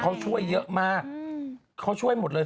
เขาช่วยเยอะมากเขาช่วยหมดเลย